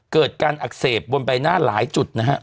เกิดการอักเสบบนใบหน้าหลายจุดนะฮะ